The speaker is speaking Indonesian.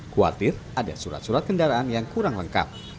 khawatir ada surat surat kendaraan yang kurang lengkap